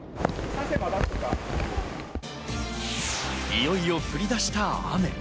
いよいよ降り出した雨。